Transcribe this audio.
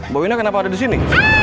bawina kenapa ada disini